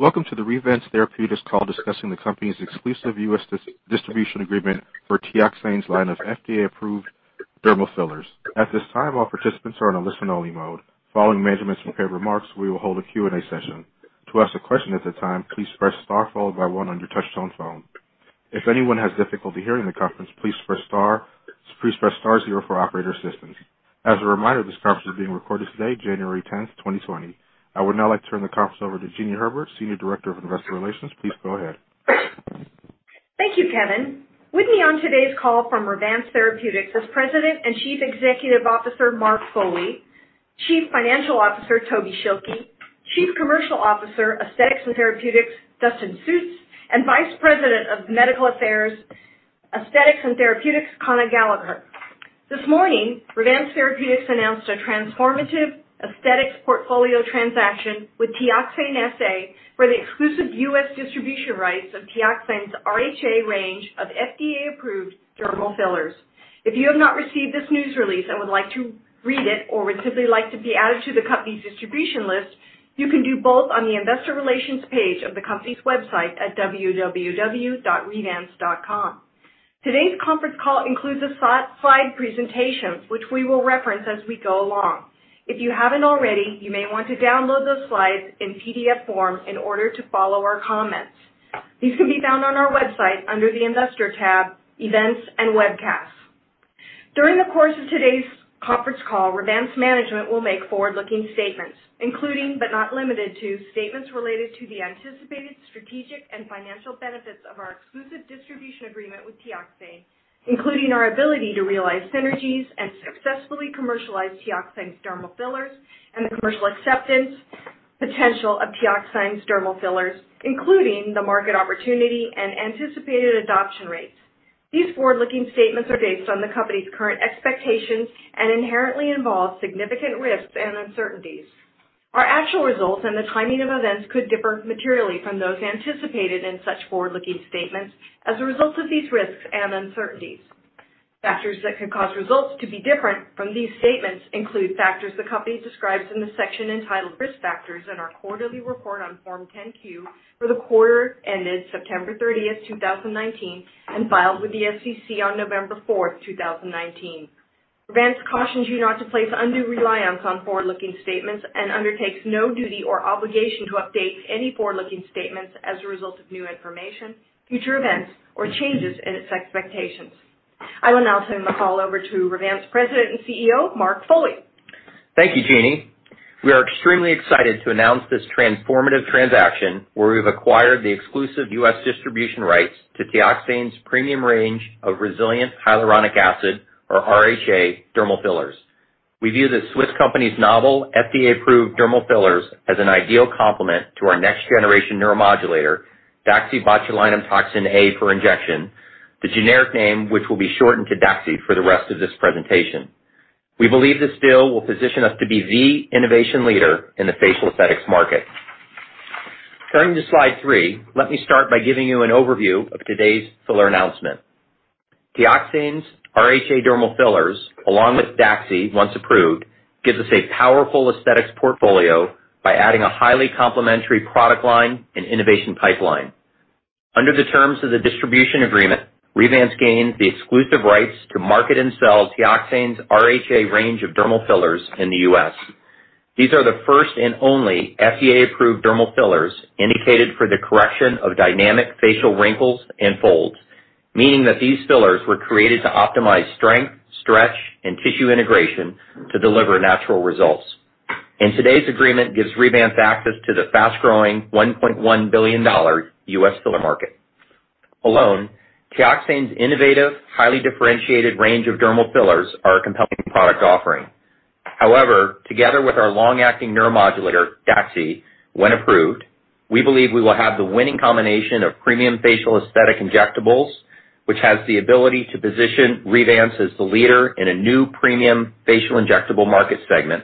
Welcome to the Revance Therapeutics call discussing the company's exclusive U.S. distribution agreement for Teoxane's line of FDA-approved dermal fillers. At this time, all participants are in a listen-only mode. Following management's prepared remarks, we will hold a Q&A session. To ask a question at the time, please press star followed by one on your touch-tone phone. If anyone has difficulty hearing the conference, please press star zero for operator assistance. As a reminder, this conference is being recorded today, January 10th, 2020. I would now like to turn the conference over to Jessica Science, Senior Director of Investor Relations. Please go ahead. Thank you, Kevin. With me on today's call from Revance Therapeutics is President and Chief Executive Officer, Mark Foley, Chief Financial Officer, Tobin Schilke, Chief Commercial Officer, Aesthetics and Therapeutics, Dustin Sjuts, and Vice President of Medical Affairs, Aesthetics and Therapeutics, Conor Gallagher. This morning, Revance Therapeutics announced a transformative aesthetics portfolio transaction with Teoxane SA for the exclusive U.S. distribution rights of Teoxane's RHA range of FDA-approved dermal fillers. If you have not received this news release and would like to read it or would simply like to be added to the company's distribution list, you can do both on the investor relations page of the company's website at www.revance.com. Today's conference call includes a slide presentation, which we will reference as we go along. If you haven't already, you may want to download those slides in PDF form in order to follow our comments. These can be found on our website under the Investor tab, Events, and Webcasts. During the course of today's conference call, Revance management will make forward-looking statements, including, but not limited to, statements related to the anticipated strategic and financial benefits of our exclusive distribution agreement with Teoxane, including our ability to realize synergies and successfully commercialize Teoxane's dermal fillers and the commercial acceptance potential of Teoxane's dermal fillers, including the market opportunity and anticipated adoption rates. These forward-looking statements are based on the company's current expectations and inherently involve significant risks and uncertainties. Our actual results and the timing of events could differ materially from those anticipated in such forward-looking statements as a result of these risks and uncertainties. Factors that could cause results to be different from these statements include factors the company describes in the section entitled Risk Factors in our quarterly report on Form 10-Q for the quarter ended September 30th, 2019, and filed with the SEC on November 4th, 2019. Revance cautions you not to place undue reliance on forward-looking statements and undertakes no duty or obligation to update any forward-looking statements as a result of new information, future events, or changes in its expectations. I will now turn the call over to Revance President and CEO, Mark Foley. Thank you, Jessica. We are extremely excited to announce this transformative transaction where we've acquired the exclusive U.S. distribution rights to Teoxane's premium range of Resilient Hyaluronic Acid, or RHA, dermal fillers. We view the Swiss company's novel, FDA-approved dermal fillers as an ideal complement to our next-generation neuromodulator, daxibotulinumtoxinA for injection, the generic name, which will be shortened to Daxy for the rest of this presentation. We believe this deal will position us to be the innovation leader in the facial aesthetics market. Turning to slide three, let me start by giving you an overview of today's filler announcement. Teoxane's RHA dermal fillers, along with Daxy, once approved, gives us a powerful aesthetics portfolio by adding a highly complementary product line and innovation pipeline. Under the terms of the distribution agreement, Revance gained the exclusive rights to market and sell Teoxane's RHA range of dermal fillers in the U.S. These are the first and only FDA-approved dermal fillers indicated for the correction of dynamic facial wrinkles and folds, meaning that these fillers were created to optimize strength, stretch, and tissue integration to deliver natural results. Today's agreement gives Revance access to the fast-growing $1.1 billion U.S. filler market. Alone, Teoxane's innovative, highly differentiated range of dermal fillers are a compelling product offering. However, together with our long-acting neuromodulator, DAXI, when approved, we believe we will have the winning combination of premium facial aesthetic injectables, which has the ability to position Revance as the leader in a new premium facial injectable market segment,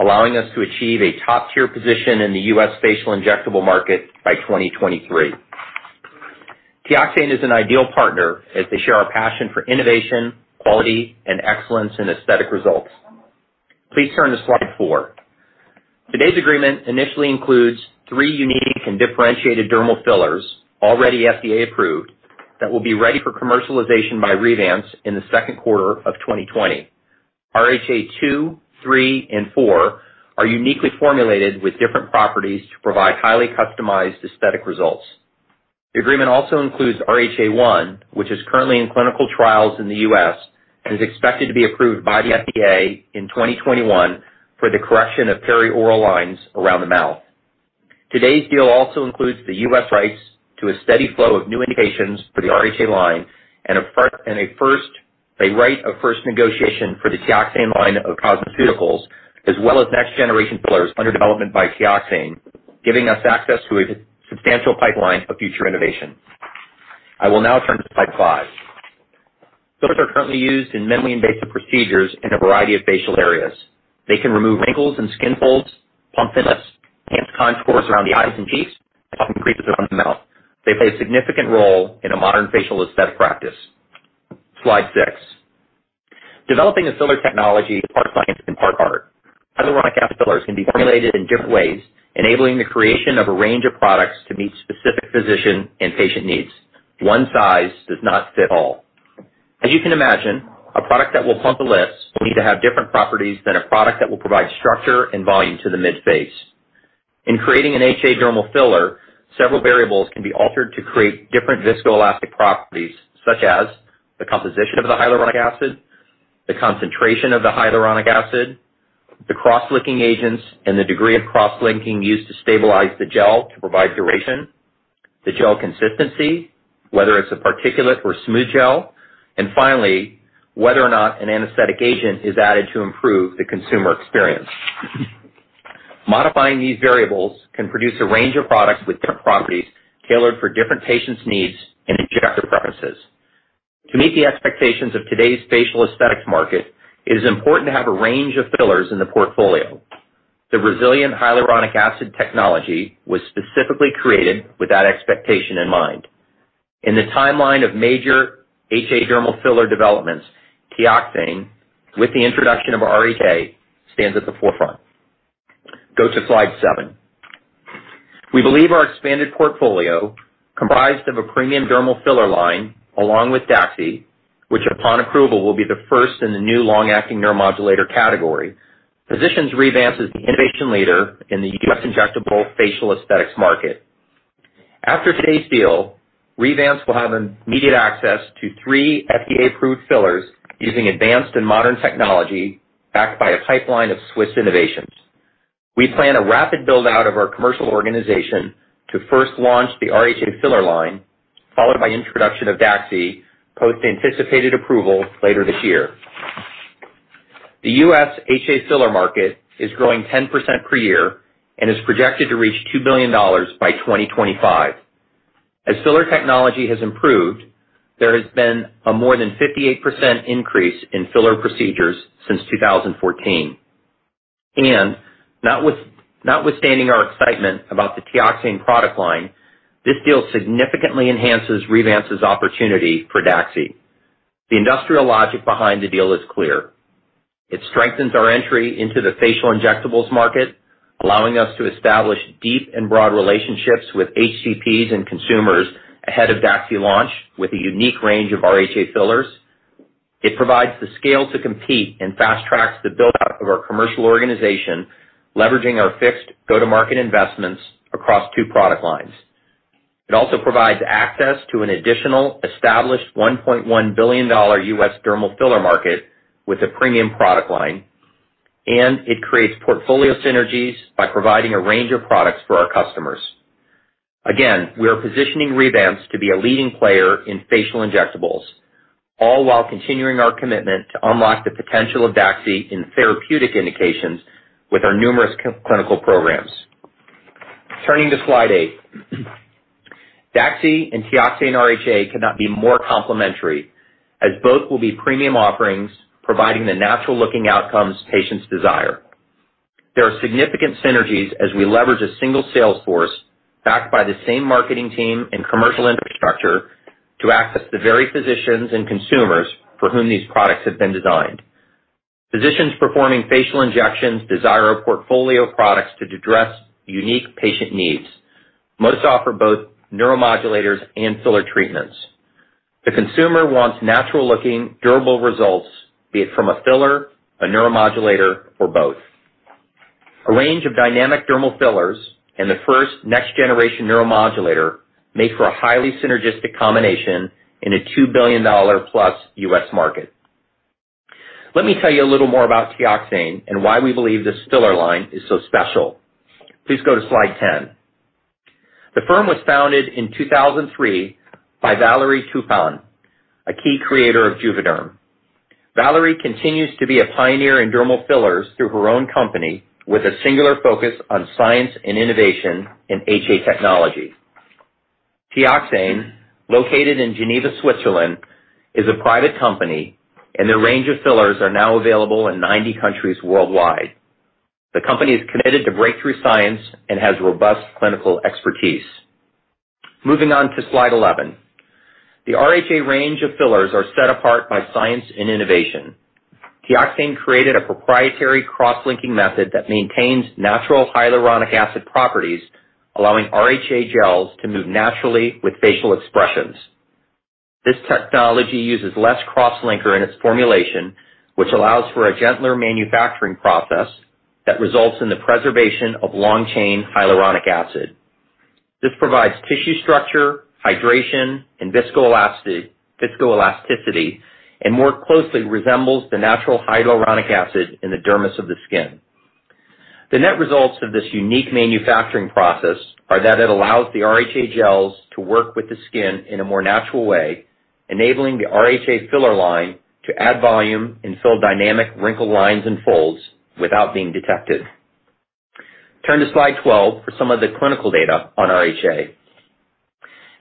allowing us to achieve a top-tier position in the U.S. facial injectable market by 2023. Teoxane is an ideal partner as they share our passion for innovation, quality, and excellence in aesthetic results. Please turn to slide four. Today's agreement initially includes three unique and differentiated dermal fillers, already FDA-approved, that will be ready for commercialization by Revance in the second quarter of 2020. RHA 2, 3, and 4 are uniquely formulated with different properties to provide highly customized aesthetic results. The agreement also includes RHA 1, which is currently in clinical trials in the U.S., and is expected to be approved by the FDA in 2021 for the correction of perioral lines around the mouth. Today's deal also includes the U.S. rights to a steady flow of new indications for the RHA line and a right of first negotiation for the Teoxane line of cosmeceuticals, as well as next-generation fillers under development by Teoxane, giving us access to a substantial pipeline of future innovation. I will now turn to slide five. Fillers are currently used in minimally invasive procedures in a variety of facial areas. They can remove wrinkles and skin folds, plump thin lips, enhance contours around the eyes and cheeks, and soften creases around the mouth. They play a significant role in a modern facial aesthetic practice. Slide six. Developing a filler technology is part science and part art. Hyaluronic acid fillers can be formulated in different ways, enabling the creation of a range of products to meet specific physician and patient needs. One size does not fit all. As you can imagine, a product that will plump the lips will need to have different properties than a product that will provide structure and volume to the midface. In creating an HA dermal filler, several variables can be altered to create different viscoelastic properties, such as the composition of the hyaluronic acid, the concentration of the hyaluronic acid, the cross-linking agents, and the degree of cross-linking used to stabilize the gel to provide duration, the gel consistency, whether it's a particulate or smooth gel, and finally, whether or not an anesthetic agent is added to improve the consumer experience. Modifying these variables can produce a range of products with different properties tailored for different patients' needs and injector preferences. To meet the expectations of today's facial aesthetics market, it is important to have a range of fillers in the portfolio. The Resilient Hyaluronic Acid technology was specifically created with that expectation in mind. In the timeline of major HA dermal filler developments, Teoxane, with the introduction of RHA, stands at the forefront. Go to slide seven. We believe our expanded portfolio, comprised of a premium dermal filler line, along with DAXXIFY, which upon approval will be the first in the new long-acting neuromodulator category, positions Revance as the innovation leader in the U.S. injectable facial aesthetics market. After today's deal, Revance will have immediate access to three FDA-approved fillers using advanced and modern technology backed by a pipeline of Swiss innovations. We plan a rapid build-out of our commercial organization to first launch the RHA filler line, followed by introduction of DAXXIFY post-anticipated approval later this year. The U.S. HA filler market is growing 10% per year and is projected to reach $2 billion by 2025. As filler technology has improved, there has been a more than 58% increase in filler procedures since 2014. Notwithstanding our excitement about the Teoxane product line, this deal significantly enhances Revance's opportunity for DAXXIFY. The industrial logic behind the deal is clear. It strengthens our entry into the facial injectables market, allowing us to establish deep and broad relationships with HCPs and consumers ahead of DAXXIFY launch with a unique range of RHA fillers. It provides the scale to compete and fast-tracks the build-out of our commercial organization, leveraging our fixed go-to-market investments across two product lines. It also provides access to an additional established $1.1 billion U.S. dermal filler market with a premium product line, it creates portfolio synergies by providing a range of products for our customers. Again, we are positioning Revance to be a leading player in facial injectables, all while continuing our commitment to unlock the potential of DAXXIFY in therapeutic indications with our numerous clinical programs. Turning to slide eight. DAXI and Teoxane RHA could not be more complementary, as both will be premium offerings providing the natural-looking outcomes patients desire. There are significant synergies as we leverage a single sales force backed by the same marketing team and commercial infrastructure to access the very physicians and consumers for whom these products have been designed. Physicians performing facial injections desire a portfolio of products to address unique patient needs. Most offer both neuromodulators and filler treatments. The consumer wants natural-looking, durable results, be it from a filler, a neuromodulator, or both. A range of dynamic dermal fillers and the first next-generation neuromodulator make for a highly synergistic combination in a $2 billion-plus U.S. market. Let me tell you a little more about Teoxane and why we believe this filler line is so special. Please go to slide 10. The firm was founded in 2003 by Valérie Taupin, a key creator of JUVÉDERM. Valérie continues to be a pioneer in dermal fillers through her own company with a singular focus on science and innovation in HA technology. Teoxane, located in Geneva, Switzerland, is a private company, and their range of fillers are now available in 90 countries worldwide. The company is committed to breakthrough science and has robust clinical expertise. Moving on to slide 11. The RHA range of fillers are set apart by science and innovation. Teoxane created a proprietary cross-linking method that maintains natural hyaluronic acid properties, allowing RHA gels to move naturally with facial expressions. This technology uses less cross-linker in its formulation, which allows for a gentler manufacturing process that results in the preservation of long-chain hyaluronic acid. This provides tissue structure, hydration, and viscoelasticity, and more closely resembles the natural hyaluronic acid in the dermis of the skin. The net results of this unique manufacturing process are that it allows the RHA gels to work with the skin in a more natural way, enabling the RHA filler line to add volume and fill dynamic wrinkle lines and folds without being detected. Turn to slide 12 for some of the clinical data on RHA.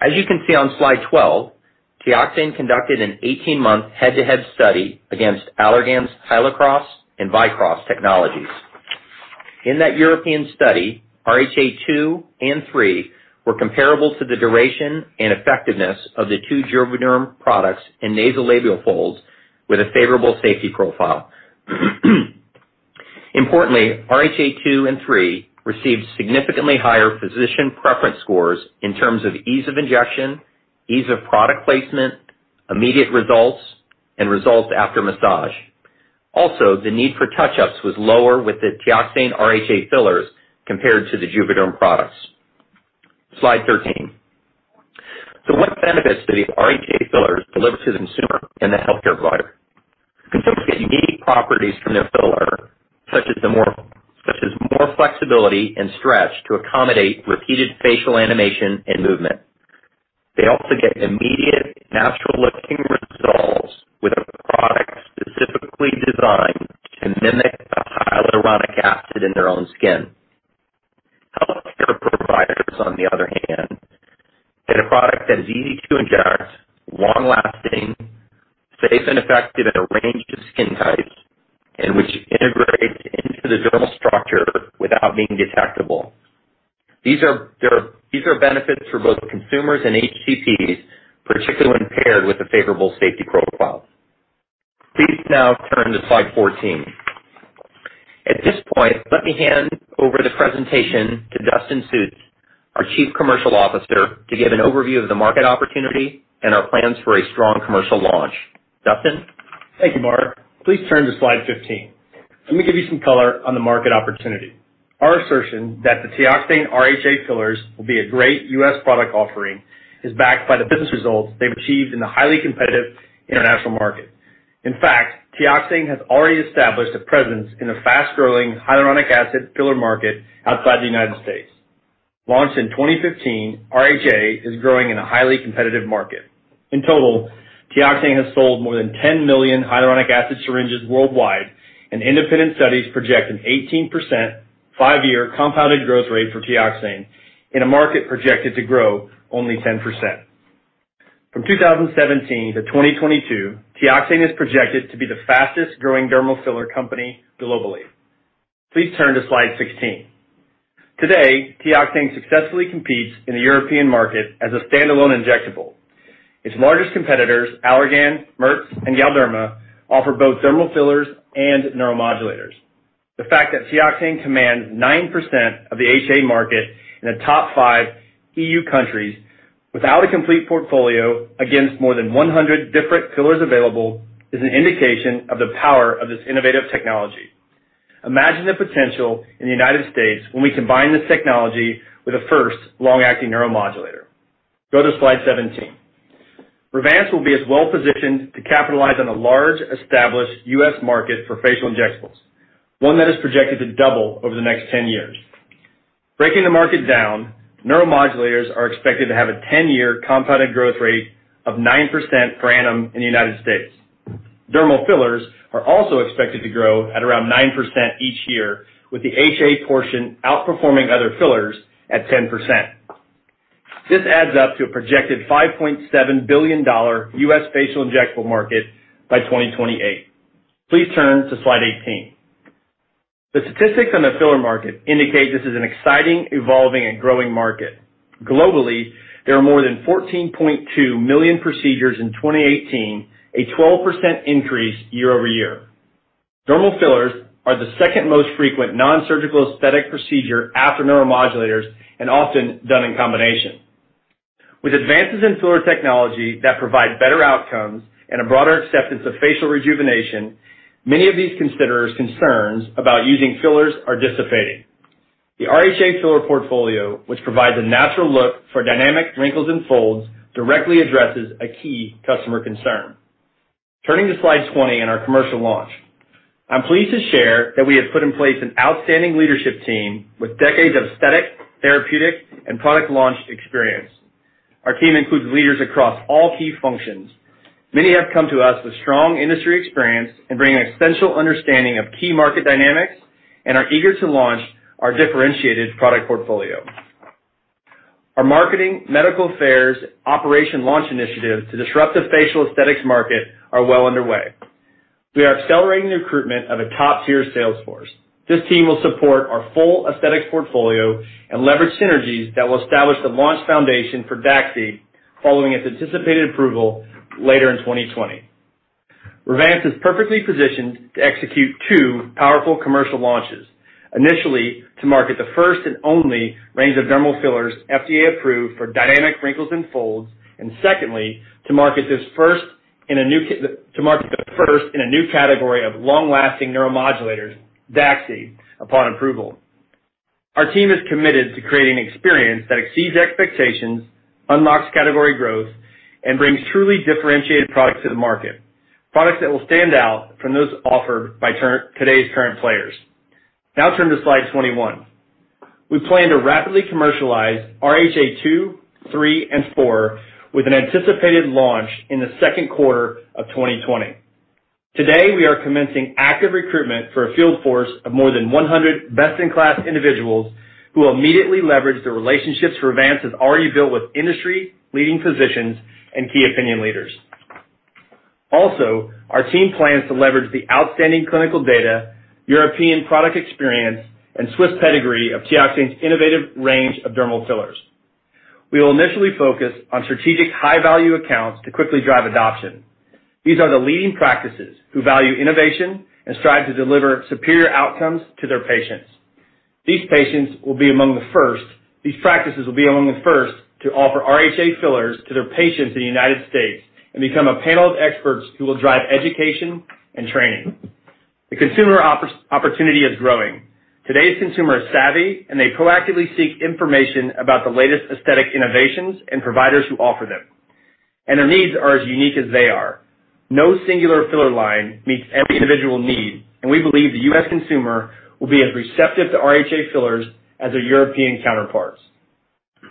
As you can see on slide 12, Teoxane conducted an 18-month head-to-head study against Allergan's HYLACROSS and VYCROSS technologies. In that European study, RHA 2 and 3 were comparable to the duration and effectiveness of the two JUVÉDERM products in nasolabial folds with a favorable safety profile. Importantly, RHA 2 and 3 received significantly higher physician preference scores in terms of ease of injection, ease of product placement, immediate results, and results after massage. Also, the need for touch-ups was lower with the Teoxane RHA fillers compared to the JUVÉDERM products. Slide 13. What benefits do the RHA fillers deliver to the consumer and the healthcare provider? Consumers get unique properties from their filler, such as more flexibility and stretch to accommodate repeated facial animation and movement. They also get immediate, natural-looking results with a product specifically designed to mimic the hyaluronic acid in their own skin. Healthcare providers, on the other hand, get a product that is easy to inject, long-lasting, safe and effective in a range of skin types, and which integrates into the dermal structure without being detectable. These are benefits for both consumers and HCPs, particularly when paired with a favorable safety profile. Please now turn to slide 14. At this point, let me hand over the presentation to Dustin Sjuts, our Chief Commercial Officer, to give an overview of the market opportunity and our plans for a strong commercial launch. Dustin? Thank you, Mark. Please turn to slide 15. Let me give you some color on the market opportunity. Our assertion that the Teoxane RHA fillers will be a great U.S. product offering is backed by the business results they've achieved in the highly competitive international market. In fact, Teoxane has already established a presence in the fast-growing hyaluronic acid filler market outside the United States. Launched in 2015, RHA is growing in a highly competitive market. In total, Teoxane has sold more than 10 million hyaluronic acid syringes worldwide, and independent studies project an 18% five-year compounded growth rate for Teoxane in a market projected to grow only 10%. From 2017 to 2022, Teoxane is projected to be the fastest-growing dermal filler company globally. Please turn to slide 16. Today, Teoxane successfully competes in the European market as a standalone injectable. Its largest competitors, Allergan, Merz, and Galderma, offer both dermal fillers and neuromodulators. The fact that Teoxane commands 9% of the HA market in the top five EU countries without a complete portfolio against more than 100 different fillers available is an indication of the power of this innovative technology. Imagine the potential in the U.S. when we combine this technology with the first long-acting neuromodulator. Go to slide 17. Revance will be as well-positioned to capitalize on the large, established U.S. market for facial injectables, one that is projected to double over the next 10 years. Breaking the market down, neuromodulators are expected to have a 10-year compounded growth rate of 9% per annum in the U.S. Dermal fillers are also expected to grow at around 9% each year, with the HA portion outperforming other fillers at 10%. This adds up to a projected $5.7 billion U.S. facial injectable market by 2028. Please turn to slide 18. The statistics on the filler market indicate this is an exciting, evolving, and growing market. Globally, there are more than 14.2 million procedures in 2018, a 12% increase year-over-year. Dermal fillers are the second most frequent non-surgical aesthetic procedure after neuromodulators and often done in combination. With advances in filler technology that provide better outcomes and a broader acceptance of facial rejuvenation, many of these considerers' concerns about using fillers are dissipating. The RHA filler portfolio, which provides a natural look for dynamic wrinkles and folds, directly addresses a key customer concern. Turning to slide 20 on our commercial launch. I'm pleased to share that we have put in place an outstanding leadership team with decades of aesthetic, therapeutic, and product launch experience. Our team includes leaders across all key functions. Many have come to us with strong industry experience and bring an essential understanding of key market dynamics and are eager to launch our differentiated product portfolio. Our marketing, medical affairs, operation launch initiatives to disrupt the facial aesthetics market are well underway. We are accelerating the recruitment of a top-tier sales force. This team will support our full aesthetics portfolio and leverage synergies that will establish the launch foundation for DAXXIFY, following its anticipated approval later in 2020. Revance is perfectly positioned to execute two powerful commercial launches, initially to market the first and only range of dermal fillers FDA-approved for dynamic wrinkles and folds, and secondly to market the first in a new category of long-lasting neuromodulators, DAXXIFY, upon approval. Our team is committed to creating an experience that exceeds expectations, unlocks category growth, and brings truly differentiated products to the market, products that will stand out from those offered by today's current players. Turn to slide 21. We plan to rapidly commercialize RHA 2, 3, and 4 with an anticipated launch in the second quarter of 2020. Today, we are commencing active recruitment for a field force of more than 100 best-in-class individuals who will immediately leverage the relationships Revance has already built with industry-leading physicians and key opinion leaders. Our team plans to leverage the outstanding clinical data, European product experience, and Swiss pedigree of Teoxane's innovative range of dermal fillers. We will initially focus on strategic high-value accounts to quickly drive adoption. These are the leading practices who value innovation and strive to deliver superior outcomes to their patients. These practices will be among the first to offer RHA fillers to their patients in the U.S. and become a panel of experts who will drive education and training. The consumer opportunity is growing. Today's consumer is savvy, they proactively seek information about the latest aesthetic innovations and providers who offer them. Their needs are as unique as they are. No singular filler line meets every individual need, and we believe the U.S. consumer will be as receptive to RHA fillers as their European counterparts.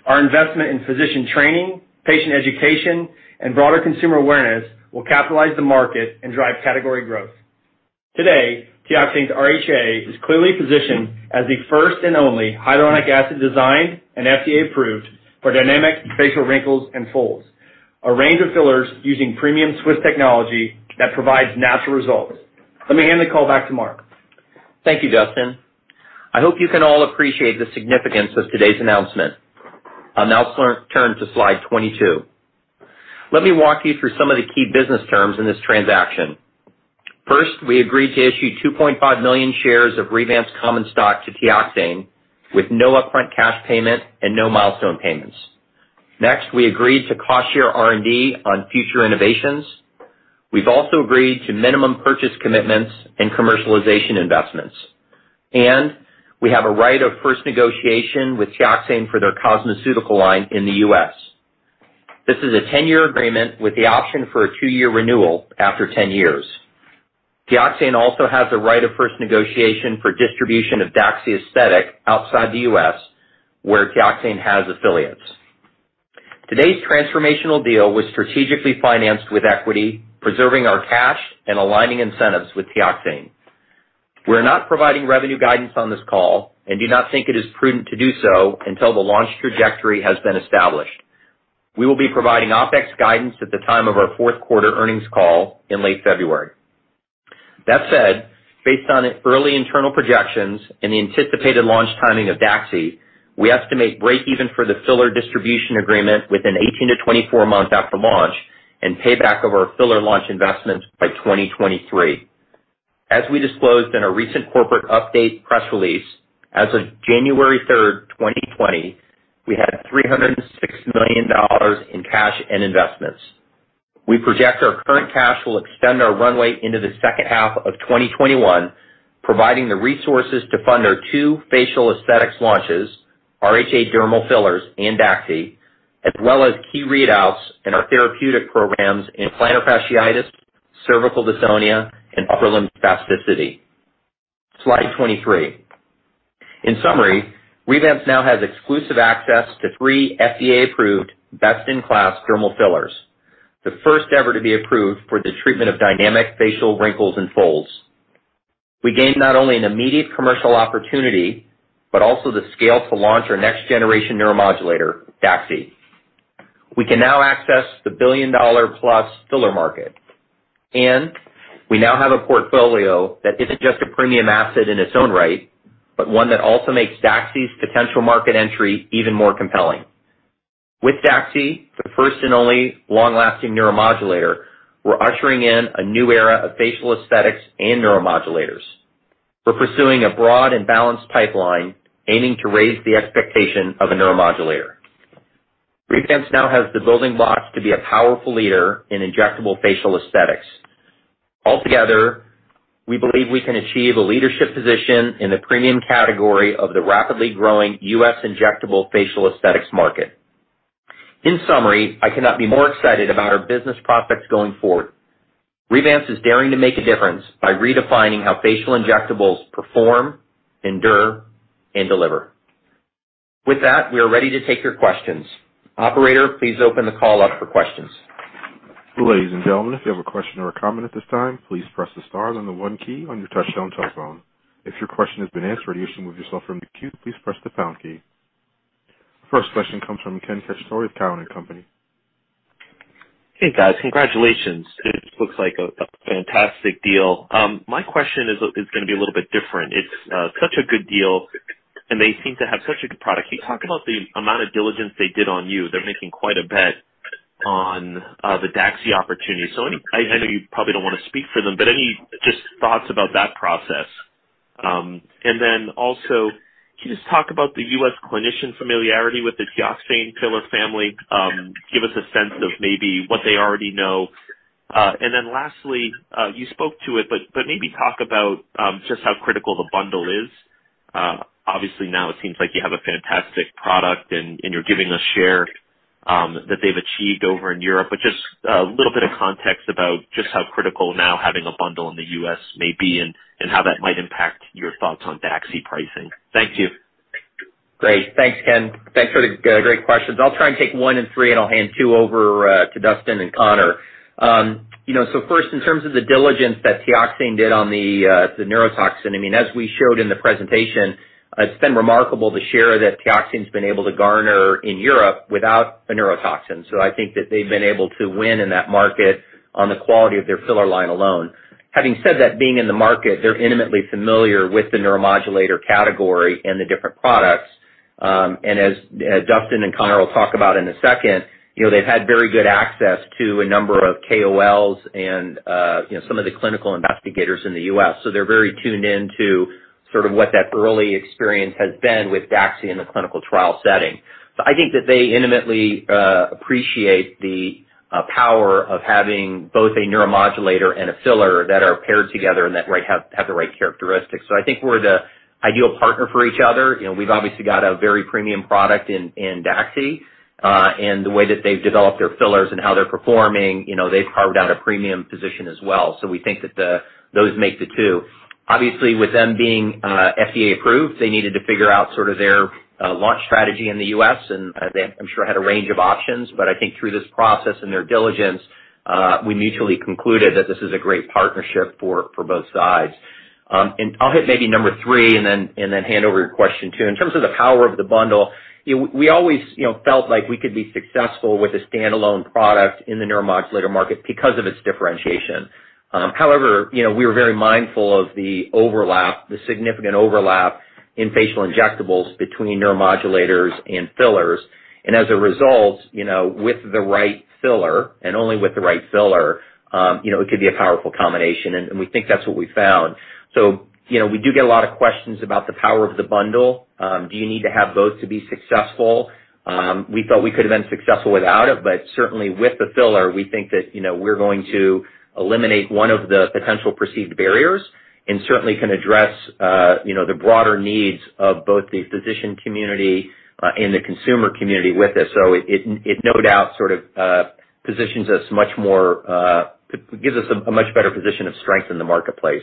Our investment in physician training, patient education, and broader consumer awareness will capitalize the market and drive category growth. Today, Teoxane's RHA is clearly positioned as the first and only hyaluronic acid designed and FDA approved for dynamic facial wrinkles and folds, a range of fillers using premium Swiss technology that provides natural results. Let me hand the call back to Mark. Thank you, Dustin. I hope you can all appreciate the significance of today's announcement. I'll now turn to slide 22. Let me walk you through some of the key business terms in this transaction. First, we agreed to issue 2.5 million shares of Revance common stock to Teoxane, with no upfront cash payment and no milestone payments. Next, we agreed to cost-share R&D on future innovations. We've also agreed to minimum purchase commitments and commercialization investments. We have a right of first negotiation with Teoxane for their cosmeceutical line in the U.S. This is a 10-year agreement with the option for a two-year renewal after 10 years. Teoxane also has the right of first negotiation for distribution of DAXXIFY aesthetic outside the U.S., where Teoxane has affiliates. Today's transformational deal was strategically financed with equity, preserving our cash and aligning incentives with Teoxane. We're not providing revenue guidance on this call and do not think it is prudent to do so until the launch trajectory has been established. We will be providing OpEx guidance at the time of our fourth quarter earnings call in late February. That said, based on early internal projections and the anticipated launch timing of DAXXIFY, we estimate break even for the filler distribution agreement within 18 to 24 months after launch and payback of our filler launch investments by 2023. As we disclosed in a recent corporate update press release, as of January 3rd, 2020, we had $306 million in cash and investments. We project our current cash will extend our runway into the second half of 2021, providing the resources to fund our two facial aesthetics launches, RHA dermal fillers and DAXXIFY, as well as key readouts in our therapeutic programs in plantar fasciitis, cervical dystonia, and upper limb spasticity. Slide 23. In summary, Revance now has exclusive access to three FDA-approved, best-in-class dermal fillers, the first ever to be approved for the treatment of dynamic facial wrinkles and folds. We gain not only an immediate commercial opportunity, but also the scale to launch our next-generation neuromodulator, DAXXIFY. We can now access the billion-dollar-plus filler market, and we now have a portfolio that isn't just a premium asset in its own right, but one that also makes DAXXIFY's potential market entry even more compelling. With DAXXIFY, the first and only long-lasting neuromodulator, we're ushering in a new era of facial aesthetics and neuromodulators. We're pursuing a broad and balanced pipeline, aiming to raise the expectation of a neuromodulator. Revance now has the building blocks to be a powerful leader in injectable facial aesthetics. Altogether, we believe we can achieve a leadership position in the premium category of the rapidly growing U.S. injectable facial aesthetics market. In summary, I cannot be more excited about our business prospects going forward. Revance is daring to make a difference by redefining how facial injectables perform, endure, and deliver. With that, we are ready to take your questions. Operator, please open the call up for questions. Ladies and gentlemen, if you have a question or a comment at this time, please press the star then the one key on your touch-tone telephone. If your question has been answered and you wish to remove yourself from the queue, please press the pound key. First question comes from Ken Cacciatore of Cowen and Company. Hey, guys. Congratulations. It looks like a fantastic deal. My question is going to be a little bit different. It's such a good deal, and they seem to have such a good product. Can you talk about the amount of diligence they did on you? They're making quite a bet on the DAXXIFY opportunity. I know you probably don't want to speak for them, but any just thoughts about that process? Can you just talk about the U.S. clinician familiarity with the Teoxane filler family? Give us a sense of maybe what they already know. Lastly, you spoke to it, but maybe talk about just how critical the bundle is. Obviously, now it seems like you have a fantastic product and you're giving a share that they've achieved over in Europe, just a little bit of context about just how critical now having a bundle in the U.S. may be and how that might impact your thoughts on DAXXIFY pricing. Thank you. Great. Thanks, Ken. Thanks for the great questions. I'll try and take one and three, and I'll hand two over to Dustin and Conor. First, in terms of the diligence that Teoxane did on the neurotoxin, as we showed in the presentation, it's been remarkable the share that Teoxane's been able to garner in Europe without a neurotoxin. I think that they've been able to win in that market on the quality of their filler line alone. Having said that, being in the market, they're intimately familiar with the neuromodulator category and the different products. As Dustin and Conor will talk about in a second, they've had very good access to a number of KOLs and some of the clinical investigators in the U.S. They're very tuned in to sort of what that early experience has been with DAXI in the clinical trial setting. I think that they intimately appreciate the power of having both a neuromodulator and a filler that are paired together and that have the right characteristics. I think we're the ideal partner for each other. We've obviously got a very premium product in DAXI. The way that they've developed their fillers and how they're performing, they've carved out a premium position as well. We think that those make the two. With them being FDA approved, they needed to figure out sort of their launch strategy in the U.S., and they, I'm sure, had a range of options. I think through this process and their diligence, we mutually concluded that this is a great partnership for both sides. I'll hit maybe number three and then hand over your question, too. In terms of the power of the bundle, we always felt like we could be successful with a standalone product in the neuromodulator market because of its differentiation. However, we were very mindful of the overlap, the significant overlap in facial injectables between neuromodulators and fillers. As a result, with the right filler, and only with the right filler, it could be a powerful combination, and we think that's what we've found. We do get a lot of questions about the power of the bundle. Do you need to have both to be successful? We thought we could've been successful without it, but certainly with the filler, we think that we're going to eliminate one of the potential perceived barriers and certainly can address the broader needs of both the physician community and the consumer community with this. It no doubt sort of positions us much more, gives us a much better position of strength in the marketplace.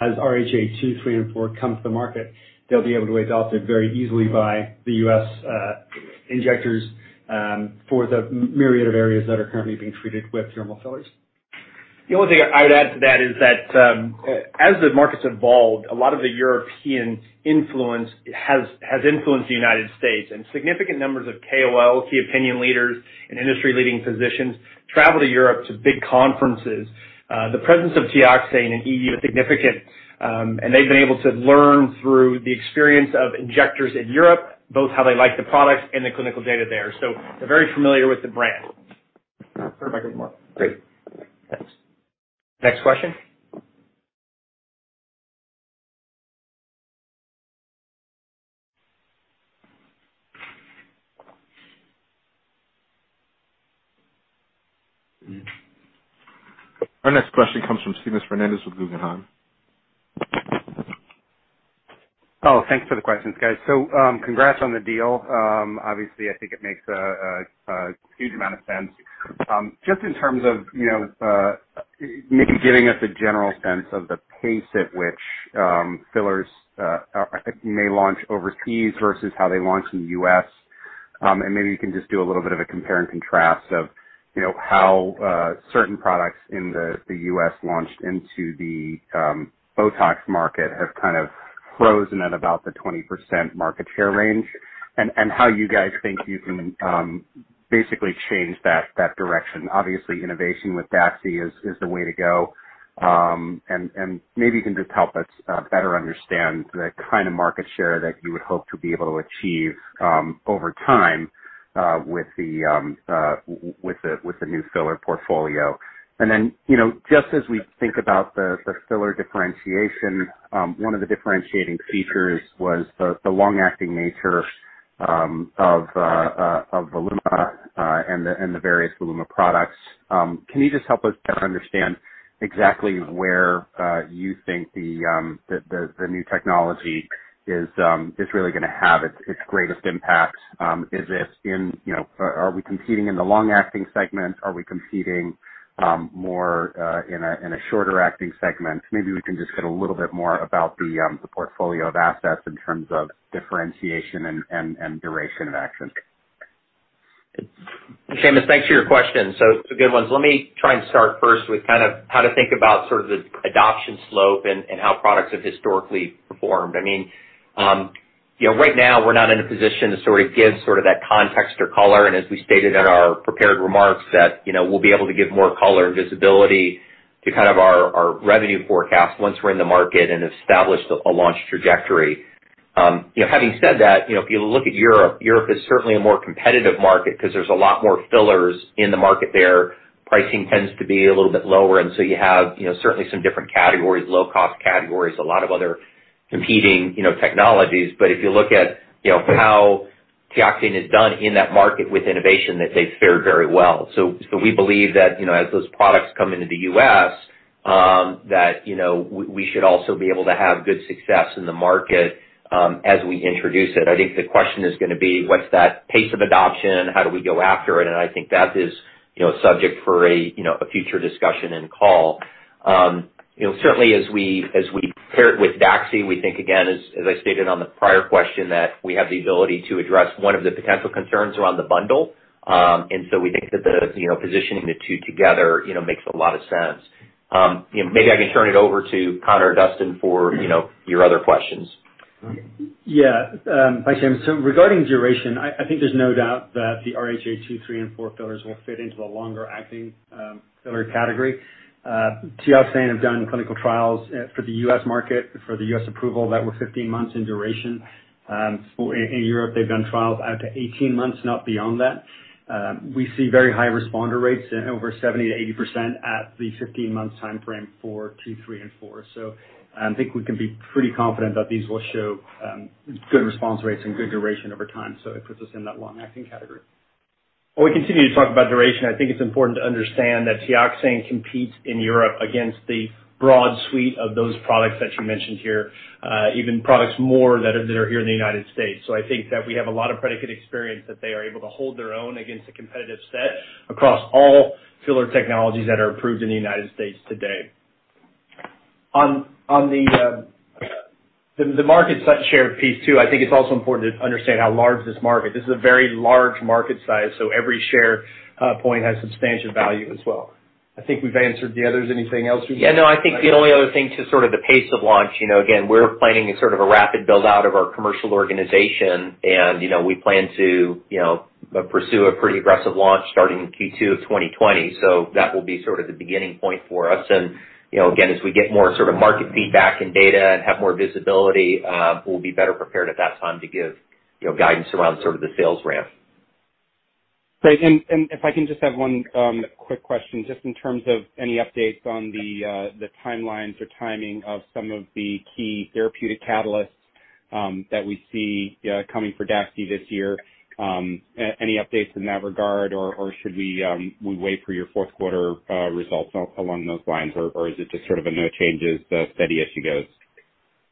As RHA 2, 3, and 4 come to the market, they'll be able to be adopted very easily by the U.S. injectors for the myriad of areas that are currently being treated with dermal fillers. The only thing I would add to that is that as the market's evolved, a lot of the European influence has influenced the United States, and significant numbers of KOL, key opinion leaders and industry-leading physicians travel to Europe to big conferences. The presence of Teoxane in EU is significant. They've been able to learn through the experience of injectors in Europe, both how they like the products and the clinical data there. They're very familiar with the brand. Perfect. Great. Thanks. Next question. Our next question comes from Seamus Fernandez with Guggenheim. Thanks for the questions, guys. Congrats on the deal. Obviously, I think it makes a huge amount of sense. Just in terms of maybe giving us a general sense of the pace at which fillers may launch overseas versus how they launch in the U.S. Maybe you can just do a little bit of a compare and contrast of how certain products in the U.S. launched into the BOTOX market have kind of frozen at about the 20% market share range, and how you guys think you can basically change that direction. Obviously, innovation with DAXI is the way to go. Maybe you can just help us better understand the kind of market share that you would hope to be able to achieve over time with the new filler portfolio. Just as we think about the filler differentiation, one of the differentiating features was the long-acting nature of Voluma and the various Voluma products. Can you just help us better understand exactly where you think the new technology is really going to have its greatest impact? Are we competing in the long-acting segment? Are we competing more in a shorter-acting segment? Maybe we can just get a little bit more about the portfolio of assets in terms of differentiation and duration of action. Seamus, thanks for your question. It's the good ones. Let me try and start first with kind of how to think about sort of the adoption slope and how products have historically performed. Right now we're not in a position to sort of give that context or color, and as we stated in our prepared remarks that we'll be able to give more color and visibility to kind of our revenue forecast once we're in the market and established a launch trajectory. Having said that, if you look at Europe is certainly a more competitive market because there's a lot more fillers in the market there. Pricing tends to be a little bit lower, and so you have certainly some different categories, low-cost categories, a lot of other competing technologies. If you look at how Teoxane has done in that market with innovation that they've fared very well. We believe that as those products come into the U.S., that we should also be able to have good success in the market as we introduce it. I think the question is going to be what's that pace of adoption? How do we go after it? I think that is subject for a future discussion and call. Certainly, as we pair it with DAXI, we think, again, as I stated on the prior question, that we have the ability to address one of the potential concerns around the bundle. We think that positioning the two together makes a lot of sense. Maybe I can turn it over to Conor or Dustin for your other questions. Yeah. Hi, Seamus. Regarding duration, I think there's no doubt that the RHA two, three and four fillers will fit into a longer-acting filler category. Teoxane have done clinical trials for the U.S. market, for the U.S. approval that were 15 months in duration. In Europe, they've done trials out to 18 months, not beyond that. We see very high responder rates, over 70%-80% at the 15-month timeframe for two, three and four. I think we can be pretty confident that these will show good response rates and good duration over time. It puts us in that long-acting category. While we continue to talk about duration, I think it's important to understand that Teoxane competes in Europe against the broad suite of those products that you mentioned here, even products more that are here in the United States. I think that we have a lot of predicate experience that they are able to hold their own against a competitive set across all filler technologies that are approved in the United States today. On the market share piece too, I think it's also important to understand how large this market. This is a very large market size, so every share point has substantial value as well. I think we've answered the others. No, I think the only other thing to sort of the pace of launch. Again, we're planning a rapid build-out of our commercial organization and we plan to pursue a pretty aggressive launch starting in Q2 of 2020. That will be sort of the beginning point for us. Again, as we get more sort of market feedback and data and have more visibility, we'll be better prepared at that time to give guidance around sort of the sales ramp. Great. If I can just have one quick question, just in terms of any updates on the timelines or timing of some of the key therapeutic catalysts that we see coming for DAXI this year. Any updates in that regard, or should we wait for your fourth quarter results along those lines? Is it just sort of a no changes, steady as she goes?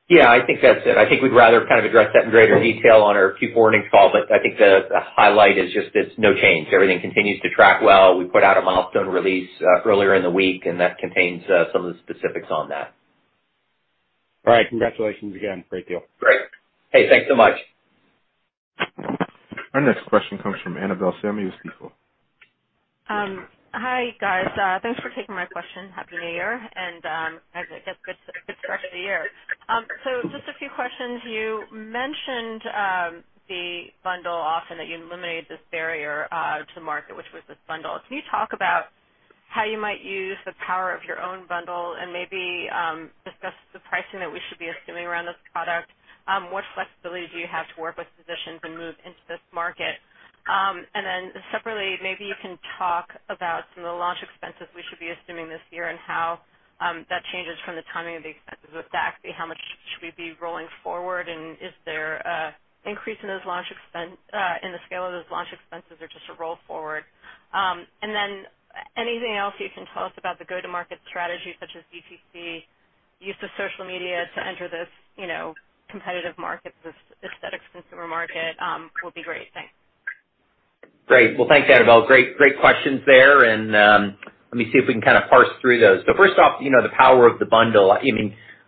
Yeah, I think that's it. I think we'd rather kind of address that in greater detail on our Q4 earnings call. I think the highlight is just it's no change. Everything continues to track well. We put out a milestone release earlier in the week, and that contains some of the specifics on that. All right. Congratulations again. Great deal. Great. Hey, thanks so much. Our next question comes from Annabel Samimy with Stifel. Hi, guys. Thanks for taking my question. Happy New Year. I guess good start to the year. Just a few questions. You mentioned the bundle often, that you eliminated this barrier to market, which was this bundle. Can you talk about how you might use the power of your own bundle and maybe discuss the pricing that we should be assuming around this product? What flexibility do you have to work with physicians and move into this market? Separately, maybe you can talk about some of the launch expenses we should be assuming this year and how that changes from the timing of the expenses with DAXXIFY. How much should we be rolling forward, and is there an increase in the scale of those launch expenses or just a roll forward? Anything else you can tell us about the go-to-market strategy, such as DTC, use of social media to enter this competitive market, this aesthetics consumer market, will be great. Thanks. Great. Well, thanks, Annabel. Great questions there. Let me see if we can kind of parse through those. First off, the power of the bundle.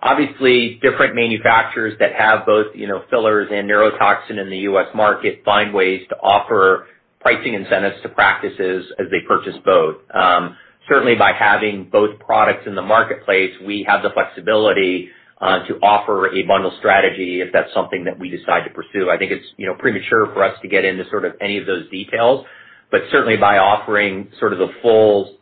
Obviously, different manufacturers that have both fillers and neurotoxin in the U.S. market find ways to offer pricing incentives to practices as they purchase both. Certainly, by having both products in the marketplace, we have the flexibility to offer a bundle strategy if that's something that we decide to pursue. I think it's premature for us to get into sort of any of those details. Certainly, by offering sort of the full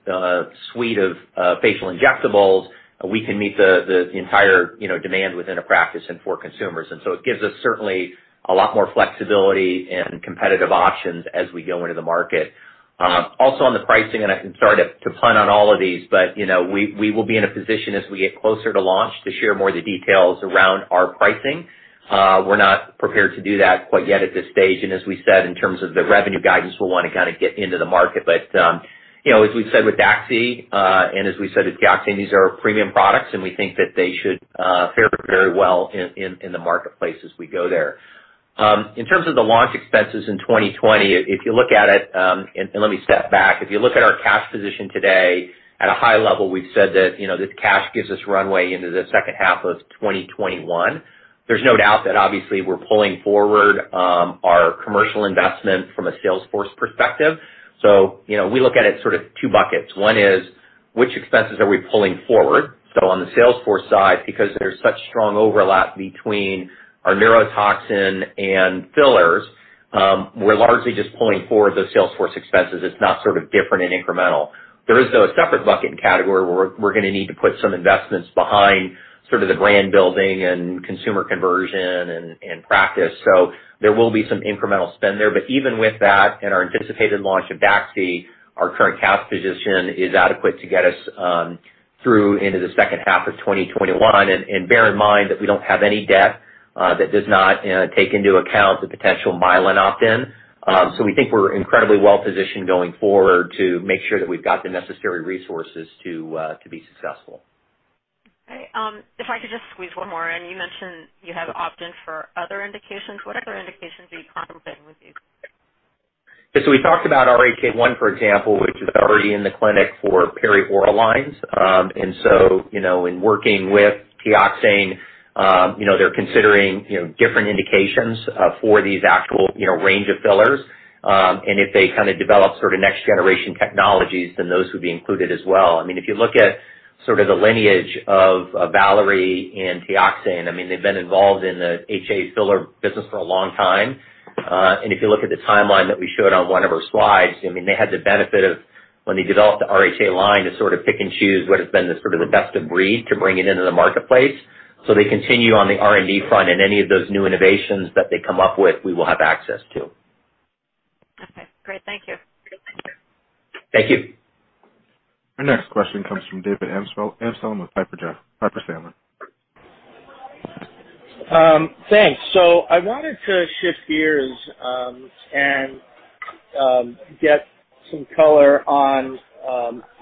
suite of facial injectables, we can meet the entire demand within a practice and for consumers. It gives us certainly a lot more flexibility and competitive options as we go into the market. Also on the pricing, I'm sorry to punt on all of these, we will be in a position as we get closer to launch to share more of the details around our pricing. We're not prepared to do that quite yet at this stage. As we said, in terms of the revenue guidance, we'll want to kind of get into the market. As we've said with DAXI, as we said with Teoxane, these are premium products, we think that they should fare very well in the marketplace as we go there. In terms of the launch expenses in 2020, if you look at it. If you look at our cash position today, at a high level, we've said that this cash gives us runway into the second half of 2021. There's no doubt that obviously we're pulling forward our commercial investment from a sales force perspective. We look at it sort of two buckets. One is which expenses are we pulling forward? On the sales force side, because there's such strong overlap between our neurotoxin and fillers, we're largely just pulling forward those sales force expenses. It's not sort of different and incremental. There is, though, a separate bucket and category where we're going to need to put some investments behind sort of the brand building and consumer conversion and practice. There will be some incremental spend there. Even with that and our anticipated launch of DAXI, our current cash position is adequate to get us through into the second half of 2021. Bear in mind that we don't have any debt. That does not take into account the potential Mylan opt-in. We think we're incredibly well-positioned going forward to make sure that we've got the necessary resources to be successful. Okay. If I could just squeeze one more in. You mentioned you have opt-in for other indications. What other indications are you contemplating with these? Yeah. We talked about RHA 1, for example, which is already in the clinic for perioral lines. In working with Teoxane, they're considering different indications for these actual range of fillers. If they develop next generation technologies, those would be included as well. If you look at sort of the lineage of Valérie and Teoxane, they've been involved in the HA filler business for a long time. If you look at the timeline that we showed on one of our slides, they had the benefit of when they developed the RHA line to sort of pick and choose what has been the sort of the best of breed to bring it into the marketplace. They continue on the R&D front and any of those new innovations that they come up with, we will have access to. Okay, great. Thank you. Thank you. Our next question comes from David Amsellem with Piper Sandler. Thanks. I wanted to shift gears and get some color on,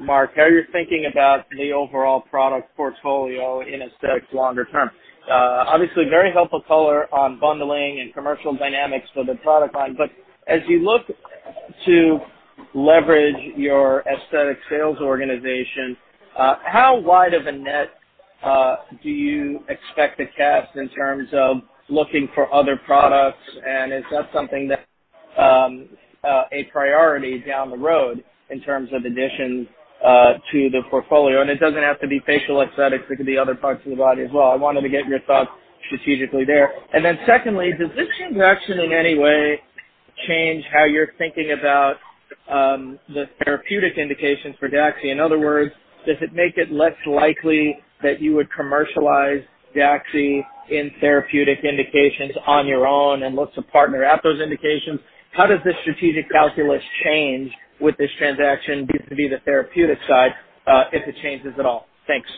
Mark, how you're thinking about the overall product portfolio in aesthetics longer term. Obviously, very helpful color on bundling and commercial dynamics for the product line, but as you look to leverage your aesthetic sales organization, how wide of a net do you expect to cast in terms of looking for other products, and is that something that a priority down the road in terms of addition to the portfolio? It doesn't have to be facial aesthetics, it could be other parts of the body as well. I wanted to get your thoughts strategically there. Secondly, does this transaction in any way change how you're thinking about the therapeutic indications for DAXI? In other words, does it make it less likely that you would commercialize DAXI in therapeutic indications on your own and look to partner at those indications? How does the strategic calculus change with this transaction vis-à-vis the therapeutic side, if it changes at all? Thanks.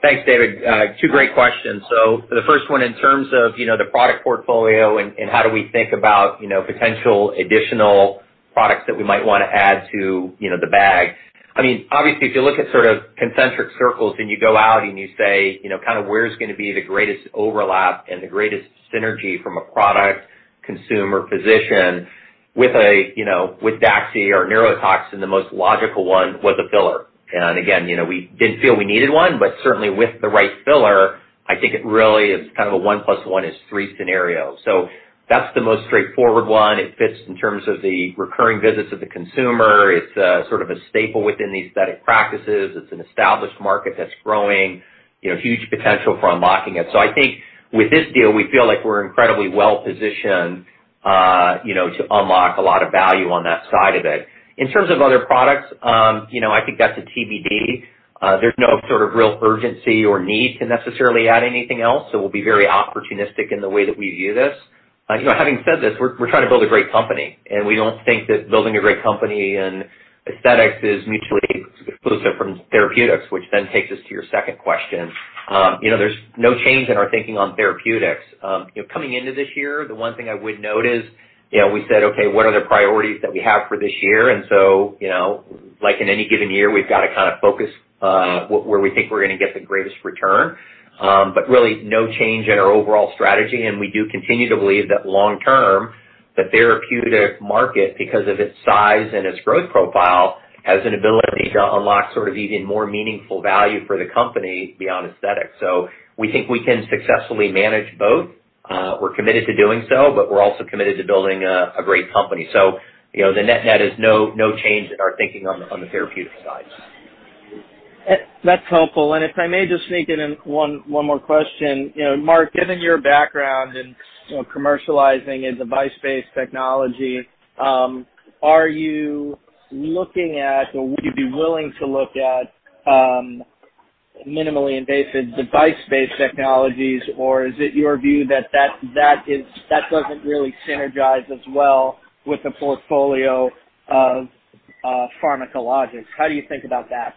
Thanks, David. Two great questions. For the first one, in terms of the product portfolio and how do we think about potential additional products that we might want to add to the bag. Obviously, if you look at sort of concentric circles and you go out and you say, where's going to be the greatest overlap and the greatest synergy from a product consumer position with DAXI or neuromodulator, the most logical one was a filler. Again, we didn't feel we needed one, but certainly with the right filler, I think it really is kind of a one plus one is three scenario. That's the most straightforward one. It fits in terms of the recurring visits of the consumer. It's sort of a staple within the aesthetic practices. It's an established market that's growing, huge potential for unlocking it. I think with this deal, we feel like we're incredibly well-positioned to unlock a lot of value on that side of it. In terms of other products, I think that's a TBD. There's no sort of real urgency or need to necessarily add anything else, so we'll be very opportunistic in the way that we view this. Having said this, we're trying to build a great company, and we don't think that building a great company in aesthetics is mutually exclusive from therapeutics, which then takes us to your second question. There's no change in our thinking on therapeutics. Coming into this year, the one thing I would note is, we said, okay, what are the priorities that we have for this year? Like in any given year, we've got to kind of focus, where we think we're going to get the greatest return. Really no change in our overall strategy, and we do continue to believe that long term, the therapeutic market, because of its size and its growth profile, has an ability to unlock sort of even more meaningful value for the company beyond aesthetics. We think we can successfully manage both. We're committed to doing so, but we're also committed to building a great company. The net is no change in our thinking on the therapeutic side. That's helpful. If I may just sneak it in one more question. Mark, given your background in commercializing a device-based technology, are you looking at, or would you be willing to look at minimally invasive device-based technologies, or is it your view that doesn't really synergize as well with the portfolio of pharmacologics? How do you think about that?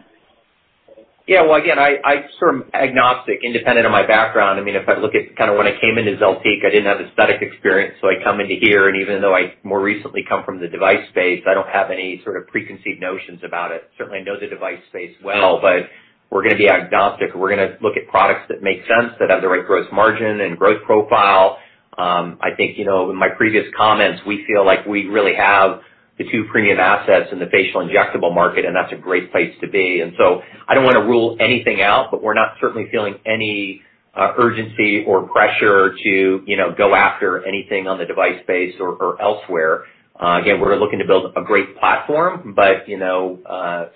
Well, again, I'm sort of agnostic, independent of my background. If I look at kind of when I came into Zeltiq, I didn't have aesthetic experience, so I come into here, and even though I more recently come from the device space, I don't have any sort of preconceived notions about it. Certainly, I know the device space well, but we're going to be agnostic. We're going to look at products that make sense, that have the right growth margin and growth profile. I think, in my previous comments, we feel like we really have the two premium assets in the facial injectable market, and that's a great place to be. I don't want to rule anything out, but we're not certainly feeling any urgency or pressure to go after anything on the device space or elsewhere. We're looking to build a great platform, but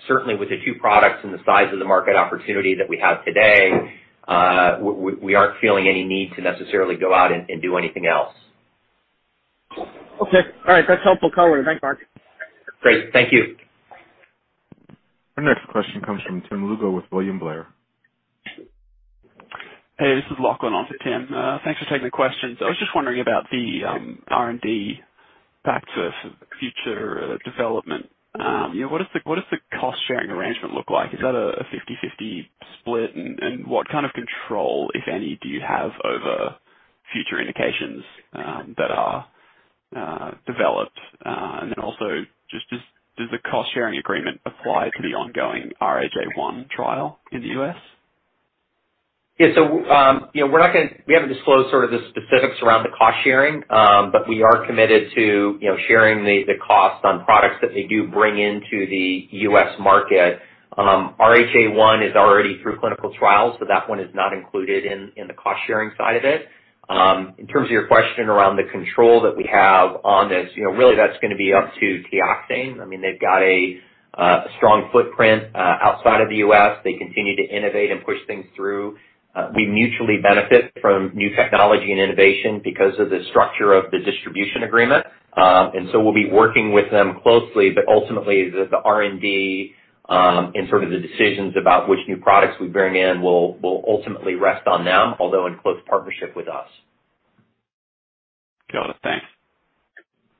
certainly with the two products and the size of the market opportunity that we have today, we aren't feeling any need to necessarily go out and do anything else. Okay. All right. That's helpful color. Thanks, Mark. Great. Thank you. Our next question comes from Tim Lugo with William Blair. Hey, this is Lachlan, also Tim. Thanks for taking the question. I was just wondering about the R&D-Back to future development. What does the cost sharing arrangement look like? Is that a 50/50 split? What kind of control, if any, do you have over future indications that are developed? Also, does the cost-sharing agreement apply to the ongoing RHA 1 trial in the U.S.? We haven't disclosed the specifics around the cost sharing, but we are committed to sharing the cost on products that they do bring into the U.S. market. RHA 1 is already through clinical trials, so that one is not included in the cost-sharing side of it. In terms of your question around the control that we have on this, really that's going to be up to Teoxane. They've got a strong footprint outside of the U.S. They continue to innovate and push things through. We mutually benefit from new technology and innovation because of the structure of the distribution agreement. We'll be working with them closely, but ultimately, the R&D and the decisions about which new products we bring in will ultimately rest on them, although in close partnership with us. Got it. Thanks.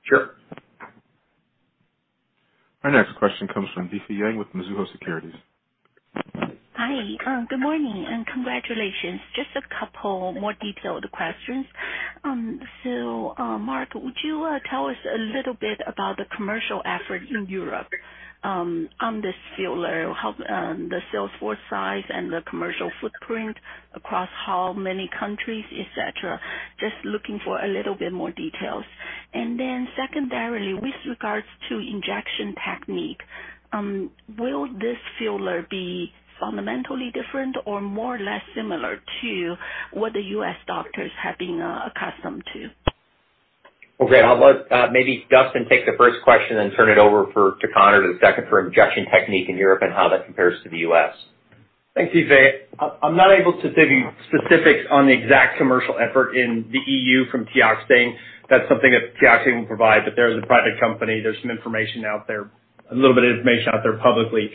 Sure. Our next question comes from Yiwen Li with Mizuho Securities. Hi. Good morning. Congratulations. Just a couple more detailed questions. Mark, would you tell us a little bit about the commercial effort in Europe on this filler? How the sales force size and the commercial footprint across how many countries, et cetera? Just looking for a little bit more details. Secondarily, with regards to injection technique, will this filler be fundamentally different or more or less similar to what the U.S. doctors have been accustomed to? Okay. I'll let maybe Dustin take the first question, then turn it over to Conor for the second for injection technique in Europe and how that compares to the U.S. Thanks, Yiwen. I'm not able to give you specifics on the exact commercial effort in the EU from Teoxane. That's something that Teoxane will provide, but they're the private company. There's some information out there, a little bit of information out there publicly.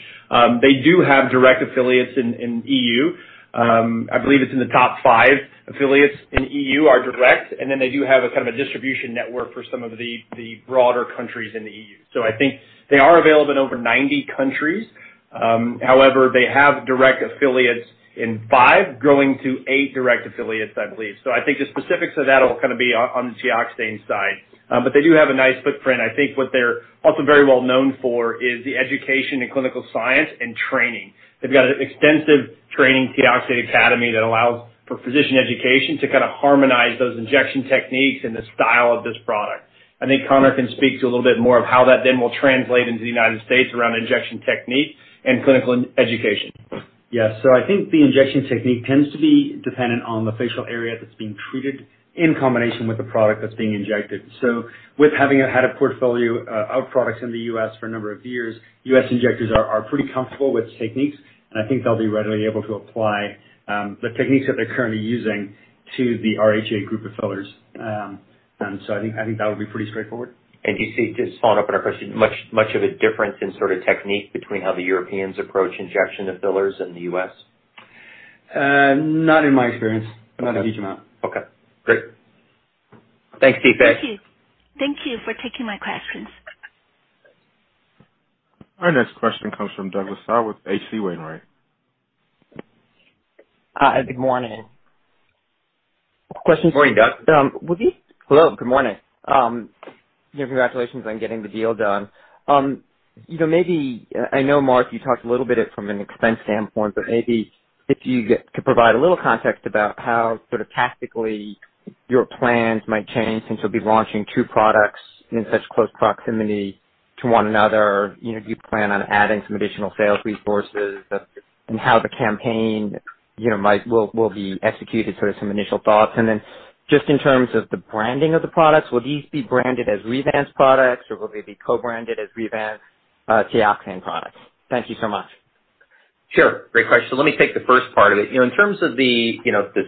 They do have direct affiliates in EU. I believe it's in the top 5 affiliates in EU are direct, and they do have a kind of a distribution network for some of the broader countries in the EU. I think they are available in over 90 countries. However, they have direct affiliates in five, growing to eight direct affiliates, I believe. I think the specifics of that will be on the Teoxane side. They do have a nice footprint. I think what they're also very well known for is the education in clinical science and training. They've got an extensive training, Teoxane Academy, that allows for physician education to kind of harmonize those injection techniques and the style of this product. I think Conor can speak to a little bit more of how that then will translate into the U.S. around injection technique and clinical education. Yes. I think the injection technique tends to be dependent on the facial area that's being treated in combination with the product that's being injected. With having had a portfolio of products in the U.S. for a number of years, U.S. injectors are pretty comfortable with techniques, and I think they'll be readily able to apply the techniques that they're currently using to the RHA group of fillers. I think that would be pretty straightforward. Do you see, just following up on our question, much of a difference in sort of technique between how the Europeans approach injection of fillers in the U.S.? Not in my experience. Not a huge amount. Okay. Great. Thanks, Yiwen. Thank you. Thank you for taking my questions. Our next question comes from Douglas Tsao with H.C. Wainwright. Hi. Good morning. Morning, Doug. With you? Hello. Good morning. Congratulations on getting the deal done. I know, Mark, you talked a little bit from an expense standpoint, maybe if you could provide a little context about how sort of tactically your plans might change since you'll be launching two products in such close proximity to one another. Do you plan on adding some additional sales resources? How the campaign will be executed, sort of some initial thoughts. Then just in terms of the branding of the products, will these be branded as Revance products, or will they be co-branded as Revance Teoxane products? Thank you so much. Sure. Great question. Let me take the first part of it. In terms of the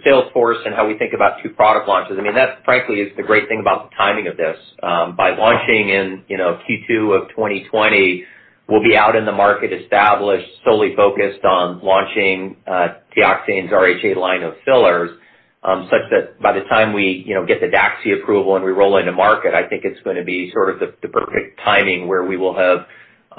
sales force and how we think about two product launches, that frankly is the great thing about the timing of this. By launching in Q2 of 2020, we'll be out in the market established, solely focused on launching Teoxane's RHA line of fillers, such that by the time we get the DAXI approval and we roll into market, I think it's going to be sort of the perfect timing where we will have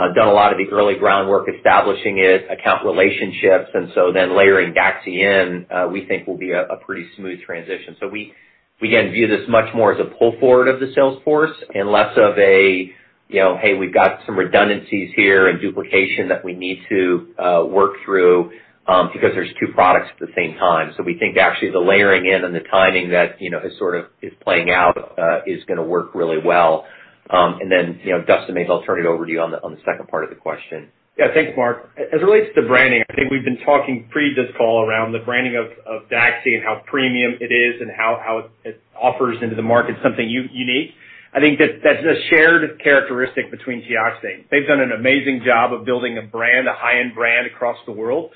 done a lot of the early groundwork establishing it, account relationships. Then layering DAXI in, we think will be a pretty smooth transition. We, again, view this much more as a pull forward of the sales force and less of a, "Hey, we've got some redundancies here and duplication that we need to work through because there's two products at the same time." We think actually the layering in and the timing that is sort of playing out is going to work really well. Then, Dustin, maybe I'll turn it over to you on the second part of the question. Thanks, Mark. As it relates to branding, I think we've been talking pre this call around the branding of DAXI and how premium it is and how it offers into the market something unique. I think that's a shared characteristic between Teoxane. They've done an amazing job of building a brand, a high-end brand across the world,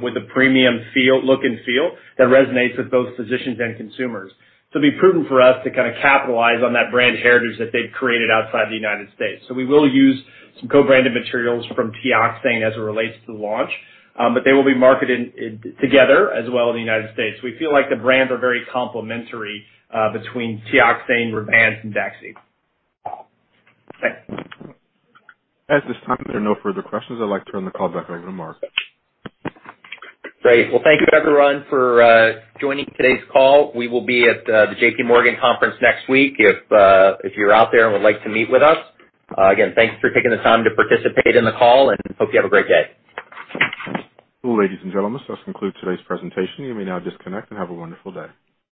with a premium look and feel that resonates with both physicians and consumers. It'll be prudent for us to capitalize on that brand heritage that they've created outside the U.S. We will use some co-branded materials from Teoxane as it relates to the launch. They will be marketed together as well in the U.S. We feel like the brands are very complementary between Teoxane, Revance, and DAXI. Thanks. At this time, there are no further questions. I'd like to turn the call back over to Mark. Great. Thank you everyone for joining today's call. We will be at the J.P. Morgan conference next week if you're out there and would like to meet with us. Again, thanks for taking the time to participate in the call, and hope you have a great day. Ladies and gentlemen, this does conclude today's presentation. You may now disconnect, and have a wonderful day.